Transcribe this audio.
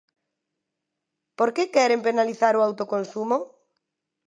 ¿Por que queren penalizar o autoconsumo?